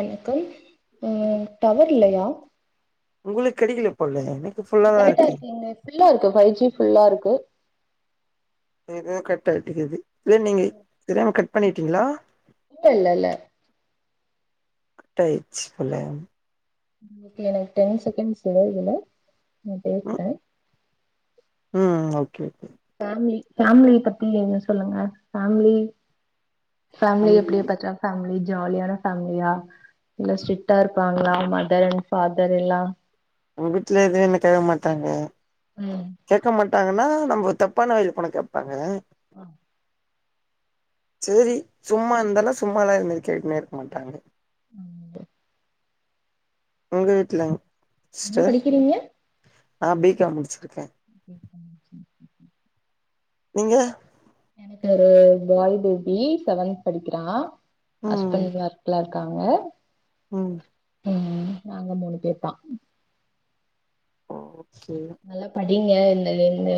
வணக்கம் அ டவர் இல்லையா உங்களுக்கு கெடைக்கில போல எனக்கு ஃபுல்லாதா கரெக்டா இருக்கு இங்க ஃபுல்லா இருக்கு ஃபைவ் ஜி ஃபுல்லா இருக்கு இதுவே கட் ஆயிட்டுக்குது இல்ல நீங்க தெரியாம கட் பண்ணிட்டீங்ளா இல்லெல்ல கட் ஆயிச்சி போல இன்னக்கி எனக்கு டென் செகண்ட்ஸ் இதுல நா பேசுற ம் ம் ஓகே ஓகே ஃபேமிலி ஃபேமிலி பத்தி எதுவு சொல்லுங்க ஃபேமிலி ஃபேமிலிய ம் எப்டி பச்சாவு ஃபேமிலி ஜாலியான ஃபேமிலியா இல்ல ஸ்ட்ரிக்டா இருப்பாங்ளா மதர் அண்ட் ஃபாதர் எல்லா உங்க வீட்ல எது என்ன கேக்க மாட்டாங்க ம் கேட்க மாட்டாங்கன்னா நம்ம தப்பான வழிள போன கேப்பாங்க ஆ சேரி சும்மா இந்தாலு சும்மாலா இதுமேரி கேட்னே இருக்க மாட்டாங்க ம் உங்க வீட்லிங் என்ன சிஸ்டர் படிக்கிறீங்க நா பிகாம் முடிச்சிருக்கே [unintelligible] நீங்க எனக்கு ஒரு பாய் பேபி செவன்த் படிக்கிறா ம் ஹஸ்பண்ட் ஒர்க்ல இருக்காங்க ம் ம் ம் நாங்க மூணுபேர் தா ஓக்கே நல்லா படிங்க இந்த இந்த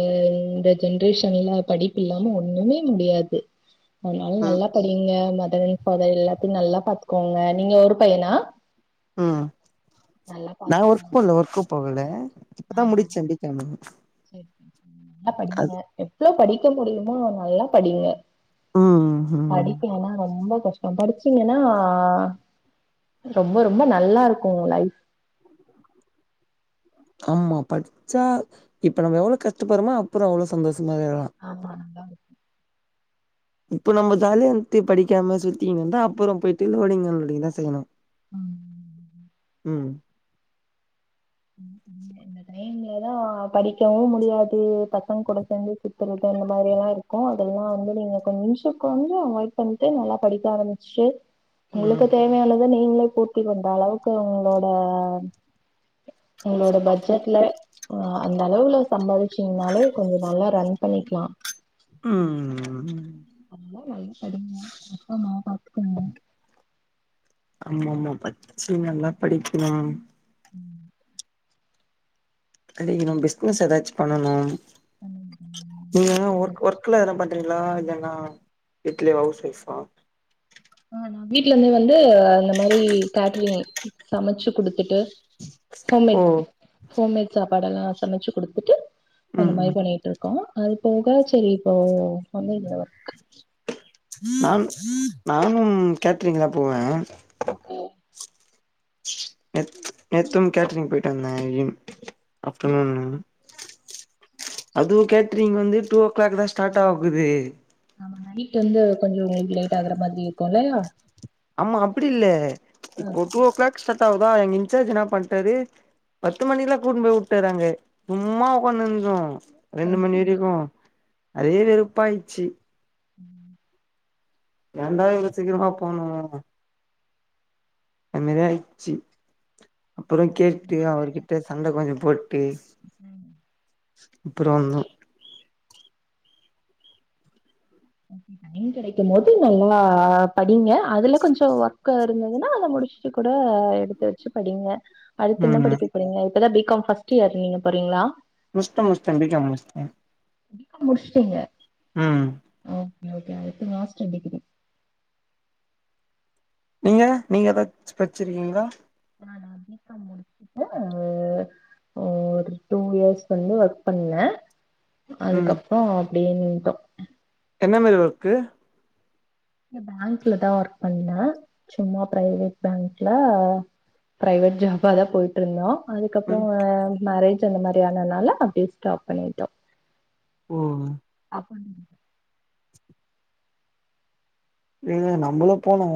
இந்த ஜென்ரேஷன்லா படிப்பு இல்லாம ஒண்ணுமே முடியாது [inaudible] அத்னால ம் நல்லா படிங்க மதர் அண்ட் ஃபாதர் எல்லாத்தியு நல்லா பாத்க்கோங்க நீங்க ஒரு பையனா ம் நல்லா நா ஒர்க் பாத்துக்கோங்க பண்ல ஒர்க்கு போகல இப்பதா முடிச்ச பி காமு சேரி நல்லா படிங்க அது எவ்ளோ படிக்க முடியுமோ நல்லா படிங்க ம் ம் படிக்லனா ரொம்ப கஷ் டோ படிச்சிங்கனா ரொம்ப ரொம்ப நல்லாருக்கும் உ லைஃப் ஆமா படிச்சா இப்ப நம்ம எவ்ளோ கஷ்டப்பர்மோ அப்றோ அவ்ளோ சந்தோஷமா இருகுலாம் ஆமா அதாவ்து இப்ப நம்ப ஜாலியார்ன்ட்டு படிக்காம சுத்திகிணுந்தா அப்பறோ போய்ட்டு லோடிங் அன்லோடிங் தா செய்யணு ம் ம் ம் ம் ம் [unintelligible] அந்த டைம்லதா படிக்கவு முடியாது பசங்க கூட சேந்து சுத்தறது அந்த மாரி எல்லா இருக் க்கோ அதெல்லா வந்து நீங்க கொஞ்சோ கொஞ்சோ அவாய்ட் பண்ணிட்டு நல்லா படிக்க ஆரமிச்ட்டு உங்குளுக்கு ம் தேவயானத நீங்ளே பூர்த்தி பண்ற அளவுக்கு உங்ளோட உங்ளோட பட்ஜட்ல ஆ அந்த அளவுல சம்பாதிச்சிங்னாலே கொஞ்சோ நல்லா ரன் பண்ணிக்லா ம் ம் ம் அத்னால் நல்லா படிங்க ஆமா பா ஆமா ஆமா பச்சி நல்லா படிக்கிணு ம் படிக்கணு பிஸ்னஸ் எதாச் பண்ணனும் அந்த மாதிரி நல்ல நீங் எதனா விஷயங்கள் ஒர்க் ஒர்க் க்லா எதும் பண்றிங்ளா இல்லனா வீட்ல அவுஸ் ஒய்ஃபா ஆ நா வீட்லந்தே வந்து இந்த மாரி கேட்ரிங் சமச்சு குடுத்துட்டு ஓ ஹோம்மேட் ஹோம்மேட் சாப்பாடெல்லா சமச்சு குடுத்துட்டு அந்த ம் மாரி ம் பண்ணிட்டுருக்கோ அது போ செரி இப்போ வந்து இந்த நான் நானும் கேட்ரிங்லா போவே ஓக்கே நேத் நேத்தும் கேட்ரிங் போய்ட்டு வந்தே ஈவ் ஆஃப்டர்நூன்னு அதுவு கேட்ரிங் வந்து டூ ஓ க்ளாக் தா ஸ்டார்ட்டு ஆகுது ஆமா நைட் வந்து கொஞ்சோ உங்ளுக்கு லேட் ஆகுற மாதிரி இருக்கும் இல்லயா ஆமா அப்டி இல்ல ஆ இப்போ டூ வோ க்ளாக் ஸ்டார்ட் ஆகுதா எங் இன்சார்ஜ் இன்னா பண்ட்டாரு பத்து மணிக்லா கூட்னு போய் உட்டாரு அங்க சும்மா உக்கான்னுந்தோ ஆ ரெண்டு மணி வரிக்கோ அதே வெறுப்ப ஆய்ச்சு ம் ஏன்டா இவ்ளோ சீக்கிரமா போணோ அன் மேரி ஆய்ச்சு அப்புறோ கேட்டு அவர்கிட்ட சண்ட கொஞ்சோ போட்டு அப்புறோ வந்தோ அனுப்பிட்ட டைம் கெடைக்கும்போது நல்லா படிங்க அதுல கொஞ்சோ ஒர்க்காக இருந்ததுன்னா அத முடிஸ்ட்டு கூட எடுத் து வச்சி படிங்க அடுத்து என்ன ம் படிக்க போறீங்க இப்பதா பிகாம் ஃபஸ்ட் இயர் நீங்க போறீங்ளா முஷ்ட முஷ்ட பிகாம் முஷ் பிகாம் முடிஸ்டீங்க ம் ஓகே ஓகே அடுத்து மாஸ்டர் டிகிரி நீங்க நீங்க ஏதாச்சு படிச்சிருக்கீங்ளா நானா பிகாம் முடிச்சுட்டு ஒரு டூ இயர்ஸ் வந்து ஒர்க் பண்ணே ம் அதுக்கப்றோ அப்டியே நின்ட்டோ என்ன மாரி ஒர்க்கு நா பேங்க்ல தா ஒர்க் பண்ண சும்மா பிரைவேட் பேங்க்ல பிரைவேட் ஜாப்பாதா போயிட்டுருந்தோ அதுக்கப்றோ ம் மேரேஜ் சோ இந்த மாரியானனால அப்டியே ஸ்டாப் பண்ணிட்டோ ஓ அப்றோ என்னங்க இது நம்மளு போனோ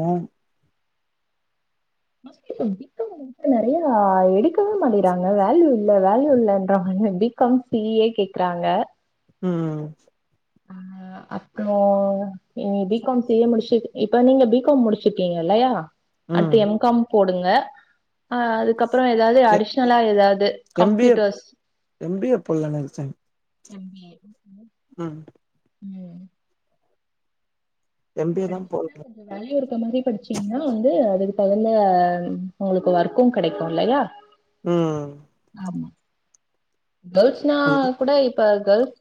மஸ்கிட்டோ நிக்காத நறையா எடுக்கவே மாட்டிங்கிறாங்க வேல்யூ இல்ல வேல்யூ இல்லன்றாங்க எப்டி பி காம் சி ஏ கேக்றாங்க ம் அ அப்றோ நீங்க பிகாம் சி ஏ முடிச்சிட்டு இப்ப நீங்க பிகாம் முடிச்சிருக்கீங்க இல்லையா அடுத்து ம் எம் காம் போடுங்க அ அதுக்கப் புறோ ஏதாவது எ அடிஷ்னலா ஏதாவது M B A computers M B A போடலானு நெனச்சே எம் ஏ ம் ம் எம் பி ஏ தா படிச்சிங்ளா போடனு வேல்யூ இருக்க மாரி படிச்சீங்னா வந்து அதுக்கு தகுந்த உங்ளுக்கு ஒர்க்கு கெடைக்கு இல்லையா ம் ஆமா கேல்ஸ்னா அதுக்கு இப்ப கூட இப்ப கேல்ஸ்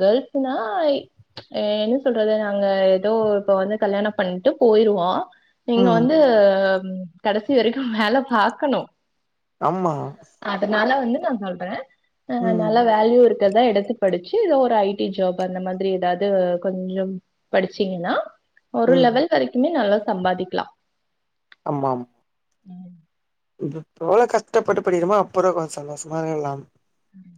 கேல்ஸ்சுனா அ என்ன சொல்றது நாங்க எதோ இப்ப வந்து கல்யாணம் பண்ட்டு போயிருவோ நீங்க ம் வந்து கடசி வரைக்கு வேல பாக்கணு ஆமா அதனால வந்து நா சொல்ற ஆ ம் நல்லா வேல்யூ இருக் கறத எடுத்து படிச்சி எதோ ஒரு ஐடி ஜாப் அந்த மாதிரி ஏதாவது கொஞ்சம் படிச்சீங்ன்னா ஒரு ம் லெவல் வரிக்குமே நல்லா சம்பாதிக்லா ஆமாம் ம் இது இப்போ எவ்ளோ கஷ்டப்பட்டு படிக்குறோமோ அப்புற கொஞ்ச சந்தோஷமா இருக்கலாம் ம்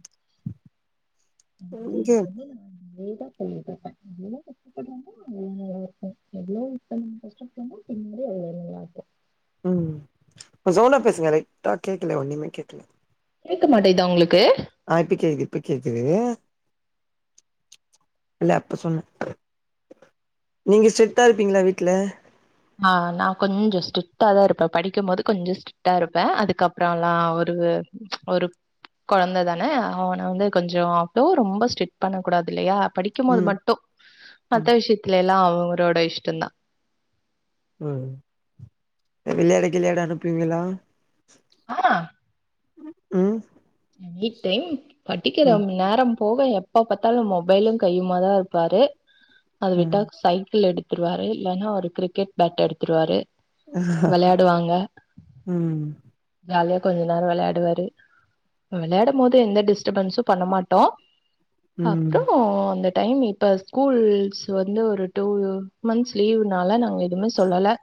இங்க எனக்கு வந்து நான் கொஞ்சம் லேட்டா படிப்பேன் அவங்களும் கஷட்டபடுறாங்க எவ்ளவு இப்ப கஷ்டபடுறோமோ பின்னாடி அவ்ளோ நல்லாருக்கு ம் கொஞ்ச சவ்ண்டா பேசுங்க லைட்டா கேக்கல ஒன்னுமே கேக்கல கேட்க மாட்டேங்குதா உங்களுக்கு ஆ இப்ப கேக்குது இப்ப கேக்குது இல்ல அப்ப சொன்னே நீங்க ஸ்டரிக்ட்டா இருப்பீங்களா வீட்டில ஆ நா கொஞ்சம் ஸ்ட்ரிக்ட்டா தா இருப்பே படிக்கும்போது கொஞ்ச ஷிட் ட்டா இருப்பே அதுக்கப்றோல்லா ஒரு ஒரு கொழந்த தான அவன வந்து கொஞ்சோ அவ்ளோ ரொம்ப ஸ்டரிக்ட் பண்ண கூடாது இல்லையா படி க்கும்போது ம் மட்டும் ம் மத்த விஷயத்துல எல்லாம் அவரோட இஷ்டோந்தா ‌ ம் இந்த விளையாட கிளையாட அனுப்புவிங்களா? ஆ ம் எனி டைம் படிக்கிற ம் நேரம் போக எப்ப ப்ப பாத்தாலும் மொபைலும் கையுமா தா இருப்பாரு அது ம் விட்டா சைக்கிள் எடுத்து எடுத்துருவாரு இல்லைன்னா ஒரு கிரிக்கெட் பேட் எடுத்துருவாரு விளையாடுவாங்க ம் ஜாலியா கொஞ்ச நேரோ விளையாடுவாரு விளையாடும் போது எந்த டிஸ்டர்பன்ஸும் பண்ணமாட்டோ ம் அப்றோ அந்த டைம் இப்ப ஸ்கூல்ஸ் வந்து ஒரு டு மந்த்ஸ் லீவ்னால எதுவுமே சொல்லல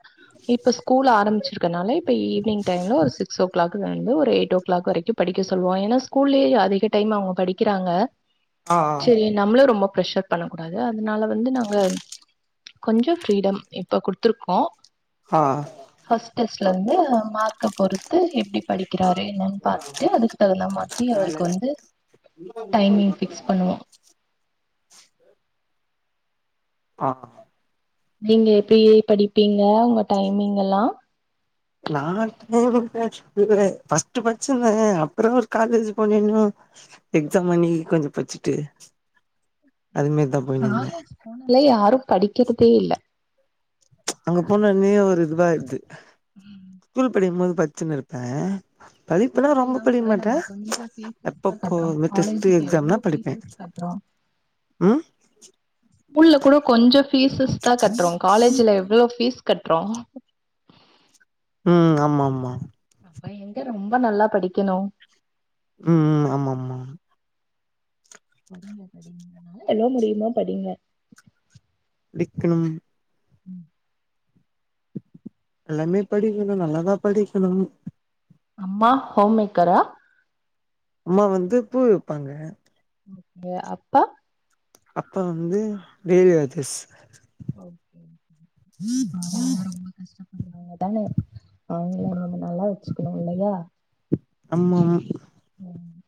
இப்ப ஸ்கூல் ஆரம்பிச்சிருக்கனால இப்ப ஈவினிங் டைம்ல ஒரு சிக்ஸ் ஓ கிளாக் ல்ல இருந்து ஒரு எயிட் ஓ கிளாக் வரைக்கும் படிக்க சொல்லுவோ ஏன்னா ஸ்கூல்லயே அதிக டைம் அவங்க படிக்கிறாங்க ஆ சேரி நம்மளும் ரொம்ப ப்ரஷர் பண்ணக்கூடாது அதனால வந்து நாங்க கொஞ்சம் ஃப்ரீடம் இப்ப குடுத்துருக்கோ ஆ ஃபர்ஸ்ட் டெஸ்ட்ல இருந்து மார்க்க பொறுத்து எப்டி படிக்கிறாரு என்னனு பாத்து ட்டு அதுக்கு தகுந்த மாதிரி வேல அவருக்கு வந்து டைமிங் ஃபிக்ஸ் பண்ணுவோ ஆ ஆ நீங்க எப்டி படிப்பீங்க உங்க டைமிங் எல்லா நா டைம் எப்பயாச்சும் இப்பவே ஃபஸ்ட் படிச்சிருந்தே அப்றோ காலேஜ் போனன்னும் எக்ஸாம் அன்னைக்கு கொஞ்ச படிச்சுட்டு அது மாரி தா காலேஜ் போனாலே யாரும் படிக்கிறதே இல்ல அங்க போன்னோனே ஒரு இதுவா ஆயிருது ம் ஸ்கூல் படிக்குபோது படிச்சுன்னு இருப்பே படிப்புன்னா ஸ்கூல்ல ரொம்ப எல்லா படிக்க கூட நம்ம மாட்டேன் கொஞ்சோ பீசஸ் தா அப்பப்போ கட்றோ டெஸ்ட்டு காலேஜுக்கு எவ்ளோ எக்ஸாம்னா படிப்பேன் பீசஸ் கட்றோ ம் ஸ்கூல்ல கூட கொஞ்சம் ஃபீஸஸ் தா கட்றோ காலேஜ்ல எவ்ளோ ஃபீஸ் கட்றோ ம் ஆமா ஆமா அப்ப எங்க ரொம்ப நல்லா படிக்கணும் ம் ம் ஆமா ஆமா படிங்க படிங்க எவ்ளோ முடியுமா படிங்க படிக்கணும் ம் எல்லாமே படிக்கணு நல்லாதா படிக்கணும் அம்மா ஹோம்மேக்கரா அம்மா வந்து பூ விப்பாங்க ம் அப்பா அப்பா வந்து வேரிஆதிஸ் ஓகே ஓகே அவங்களே ரொம்ப கஷ்டப்படுவாங்க தானே நம்ம நல்லா வச்சுக்கணு இல்லயா ஆமா ம்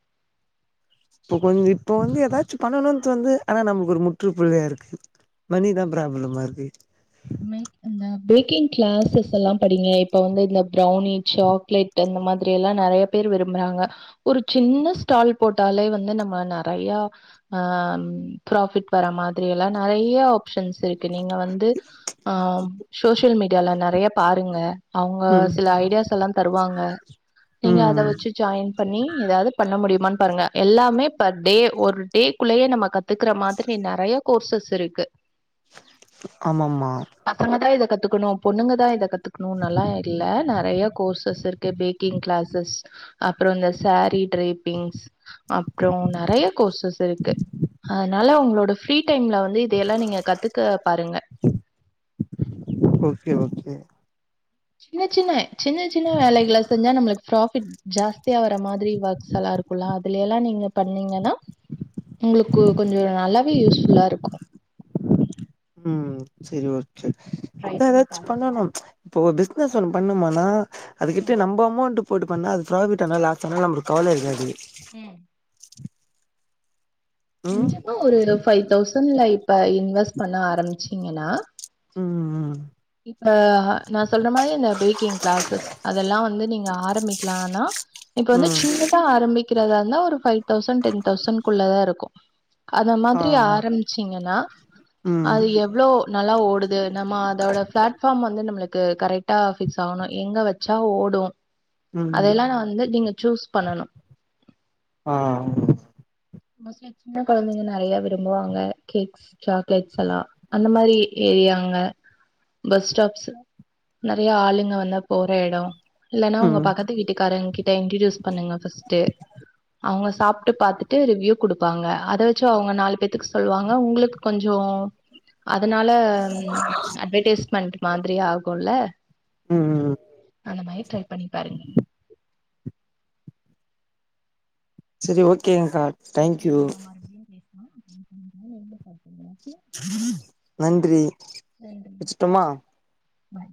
இப்ப கொஞ்சோ இப்ப வந்து எதாச்சு பண்ணணுனு தோணுது ஆனா நமக்கு ஒரு முற்றுப்புள்ளியா இருக்குது மணிதா ப்ராப்ளமாருக்கு இந்த பேக்கிங் கிளாஸஸ் எல்லா படிங்க இப்ப வந்து இந்த பிரௌனி சாக்லேட் இந்த மாதிரி எல்லா நிறைய பேரு விரும்புறாங்க ஒரு சின்ன ஸ்டால் போட்டாலே வந்து நம்ம நிறையா அ ப்ராஃபிட் வர மாதிரி எல்லா நறைய ஆப்ஷன்ஸ் இருக்கு நீங்க வந்து அ சோஷியல் மீடியால நறைய பாருங்க அவுங்க ம் சில ஐடியாஸ் எல்லா தருவாங்க நீங்க அத ம் வச்சு ஜாயின் பண்ணி எதாவ்து பண்ண முடியுமானு பாருங்க எல்லாமே பர் டே ஒரு டேக்குள்ளேயே நம்ம கத் கத்துக்குற மாதிரி நறைய கோர்சஸ் இருக்கு ஆமாமா பசங்க தா இத கத்துக்கனு பொண்ணுங்க தா இத கத்துக்கனோன்னல்லா இல்ல நறைய கோர்சஸ் இருக் க்கு பேக்கிங் கிளாஸஸ் அப்றோ இந்த சாரீ ட்ரேப்பிங்ஸ் அப்றோ நறைய கோர்சஸ் இருக்கு அதனால உங்களோட ஃப்ரீ டைம்ல வந் ந்து இதயெல்லா நீங்க கத்துக்க பாருங்க ஓகே ஓகே சின்ன சின்ன சின்ன சின்ன வேலைகள செஞ்சா நம்மளுக்கு ப்ராஃபிட் ஜாஸ்தியா வர மாதிரி ஒர்க்ஸலா இருக்குல்ல அது லயெல்லா நீங்க பண்ணீங்கன்னா உங்குளுக்கு கொஞ்சோ நல்லாவே யூஸ்ஃபுல்லா இருக்கு ம் சேரி ஓகே ட்ரை அதா பண்ணி எதாச்சு பாருங்க பண்ணனு இப்போ பிசினஸ் ஒண்ணு பண்ணுமானா ம் அதுக்கிட்ட நம்ப அமௌண்ட்டு போட்டு பண்ணா அது ப்ராஃபிட் ஆனா லாஸ் ஆனா நம்மளுக்கு கவல இருக்காது ம் ம் கொஞ்சமா ஒரு ஃபைவ் தௌசண்ட்ல இப்ப இன்வஸ் பண்ண ஆரம்பிச்சீங்கன்னா ம் ம் இப்ப நா சொல்ற மாரி இந்த பேக்கிங் கிளாஸஸ் அதல்லா வந்து நீங்க ஆரம்பிக்லானா இப்ப வந்து ம் சின்னதா ஆரம்பிக்கறதா இருந்தா ஒரு ஃபைவ் தௌசண்ட் டென் தௌசண்ட் குள்ளதா இருக்கு அத ஆ மாதிரி ஆரம்பிச்சீங்கன்னா ம் அது எவ்ளோ நல்லா ஓடுது நம்ம அதோட பிளாட்ஃபார்ம் வந்து நம்மளுக்கு கரெக்டா ஃபிக்ஸ் ஆவனு எங்க வெச்சா ஓடு ம் அதெல்லா நா வந்து நீங்க சூஸ் பண்ணனு அஹ் ஆமா மோஸ்ட்லி சின்ன கொழந்தைங்க நெறைய விரும்புவாங்க கேக்ஸ் சாக்லேட்ஸ்ல்லா அந்த மாரி ஏரியாங்க பஸ் ஸ்டாப்ஸ் நெறைய ஆளுங்க வந்தா போற எடோ இல்லன்னா உங்க ம் பக்கத்து வீட்டுக்காரங்க கிட்ட இன்ட்ரொடியுஸ் பண்ணுங்க ஃபஸ்ட்டு அவுங்க சாப்ட்டு பாத்து ட்டு ரிவ்யூ குடுப்பாங்க அத வெச்சு அவுங்க நாலு பேத்துக்கு சொல்லுவாங்க உங்களுக்கு கொஞ்சோ அதனால அட்வடைஸ்மெண்ட் மாதிரி ஆகுல்ல ம் அந்த மாரி ட்ரை பண்ணி பாருங்க செரி ஓகேங்க்கா ஓகே தேங்க்யூ நம்ம மறுபடியு பேசலா [inaudible] நன்றி நன்றி வெச்சுட்டுமா பாய்